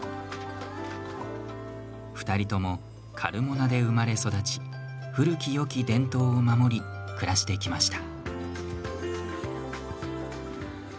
２人ともカルモナで生まれ育ち古きよき伝統を守り暮らしてきました。